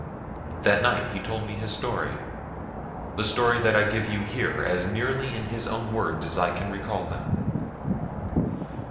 That night he told me his story the story that I give you here as nearly in his own words as I can recall them.